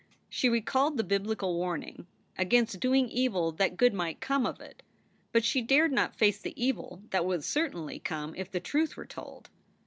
She recalled the Biblical warning against doing evil that good might come of it. But she dared not face the evil that would certainly come if the truth were told.